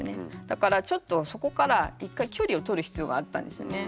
だからちょっとそこから一回距離をとる必要があったんですよね。